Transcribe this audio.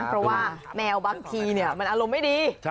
เพราะว่าแมวบางทีมันอารมณ์ไม่ดี